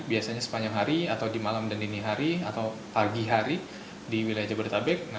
biasanya sepanjang hari atau di malam dan dini hari atau pagi hari di wilayah jabodetabek